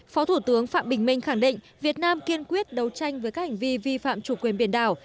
phó thủ tướng phạm bình minh khẳng định việt nam kiên quyết đấu tranh với các hành vi vi phạm chủ quyền biển đảo